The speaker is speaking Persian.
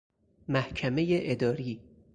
محکمۀ اداری